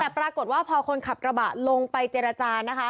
แต่ปรากฏว่าพอคนขับกระบะลงไปเจรจานะคะ